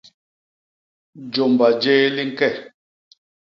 Jômba jé li ñke.